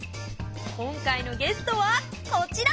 今回のゲストはこちら！